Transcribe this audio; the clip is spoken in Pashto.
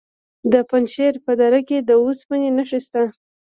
د پنجشیر په دره کې د اوسپنې نښې شته.